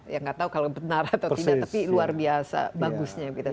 ya nggak tahu kalau benar atau tidak tapi luar biasa bagusnya